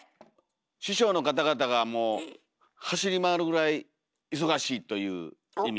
師匠の方々がもう走り回るぐらい忙しいという意味。